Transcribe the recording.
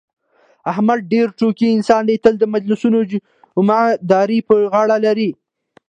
احمد ډېر ټوکي انسان دی، تل د مجلسونو جمعه داري په غاړه لري.